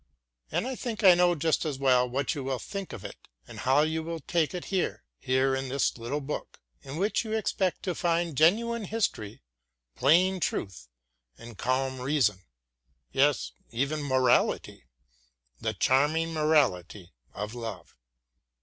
And I think I know just as well what you will think of it and how you will take it here, here in this little book, in which you expect to find genuine history, plain truth and calm reason; yes, even morality, the charming morality of love.